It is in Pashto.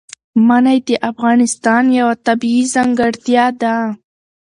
منی د افغانستان یوه طبیعي ځانګړتیا ده.